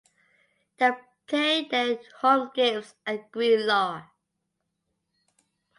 They play their home games at Greenlaw.